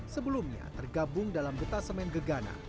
sebelumnya tergabung dalam detasemen gegana